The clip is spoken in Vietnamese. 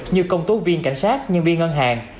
như công tố viên cảnh sát nhân viên ngân hàng